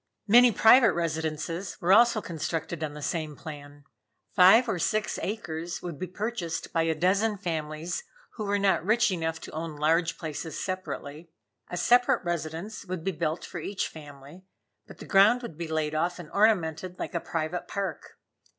Many private residences were also constructed on the same plan. Five or six acres would be purchased by a dozen families who were not rich enough to own large places separately. A separate residence would be built for each family, but the ground would be laid off and ornamented like a private park.